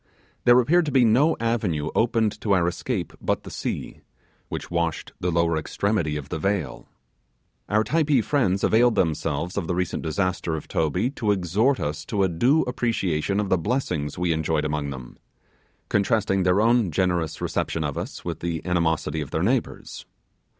There appeared to be no avenue opened to our escape but the sea, which washed the lower extremities of the vale. Our Typee friends availed themselves of the recent disaster of Toby to exhort us to a due appreciation of the blessings we enjoyed among them, contrasting their own generous reception of us with the animosity of their neighbours.